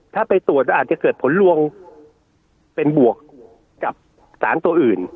ถ้าไปตรวจก็อาจจะเกิดผลลวงเป็นบวกกับสารตัวอื่น